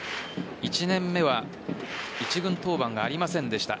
１年目は一軍登板がありませんでした。